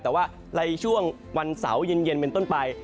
แต่ว่าในช่วงวันเสาร์เย็นเป็นต้นไป